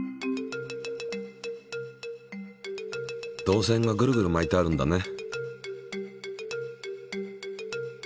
導線がぐるぐる巻いてあるんだね。